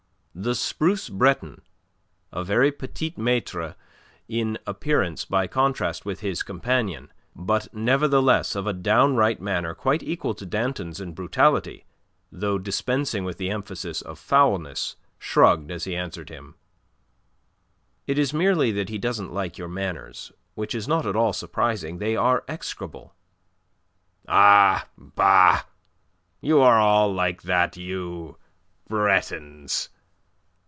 The spruce Breton, a very petit maitre in appearance by contrast with his companion, but nevertheless of a down right manner quite equal to Danton's in brutality, though dispensing with the emphasis of foulness, shrugged as he answered him: "It is merely that he doesn't like your manners, which is not at all surprising. They are execrable." "Ah, bah! You are all like that, you Bretons.